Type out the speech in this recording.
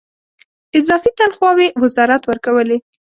اضافي تنخواوې وزارت ورکولې.